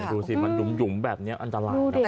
ดูสิมันหยุ่มแบบนี้อันตราบ